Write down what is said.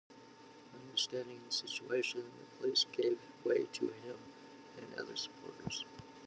Understanding the situation, the police gave way to him and other supporters.